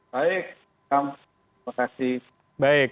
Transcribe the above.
baik selamat pagi